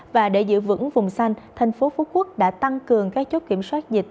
và để giữ vững vùng xanh tp hcm đã tăng cường các chốt kiểm soát dịch